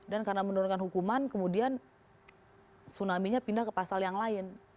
dan karena menurunkan hukuman kemudian tsunami nya pindah ke pasal yang lain